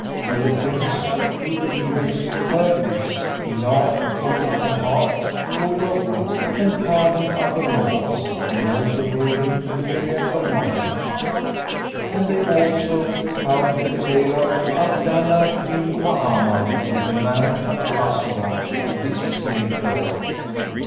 When the Prince of True Believers head this, he laughed, from a heart full of wrath,[FN#98] and pardoned Abu Nowas, and also gave him a myriad of money. And they also recount the tale of ABDALLAH BIN MA'AMAR WITH THE MAN OF BASSORAH AND HIS SLAVE GIRL.